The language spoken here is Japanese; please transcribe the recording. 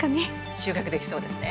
収穫できそうですね。